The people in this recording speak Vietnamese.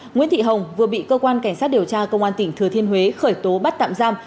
nguyễn thị hồng vừa bị cơ quan cảnh sát điều tra công an tỉnh thừa thiên huế khởi tố bắt tạm giam